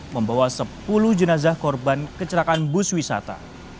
membawa sepuluh jenazah korban kecelakaan bus wisata